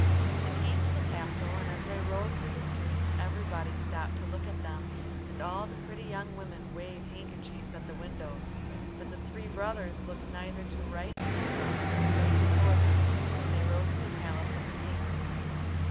They came to the capital, and as they rode through the streets everybody stopped to look at them, and all the pretty young women waved handkerchiefs at the windows. But the three brothers looked neither to right nor left but straight before them, and they rode to the palace of the King.